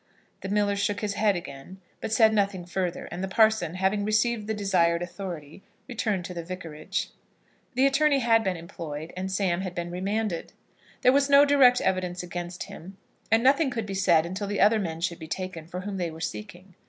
The miller shook his head again, but said nothing further, and the parson, having received the desired authority, returned to the Vicarage. The attorney had been employed, and Sam had been remanded. There was no direct evidence against him, and nothing could be done until the other men should be taken, for whom they were seeking.